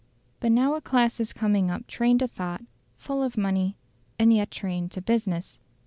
But now a class is coming up trained to thought, full of money, and yet trained to business.